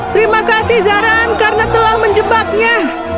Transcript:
terima kasih zaran karena telah menjebaknya